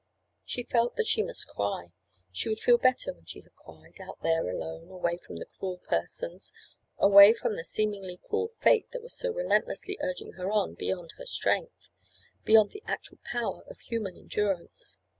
She felt that she must cry—she would feel better when she had cried—out there alone—away from the cruel persons—away from the seemingly cruel fate that was so relentlessly urging her on beyond her strength—beyond the actual power of human endurance.